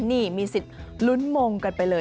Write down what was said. นี่มีสิทธิ์ลุ้นมงกันไปเลย